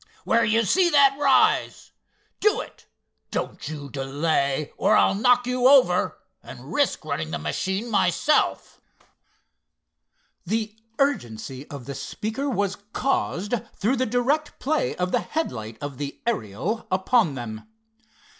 "Where you see that rise. Do it, don't you delay, or I'll knock you over, and risk running the machine myself!" The urgency of the speaker was caused through the direct play of the headlight of the Ariel upon them.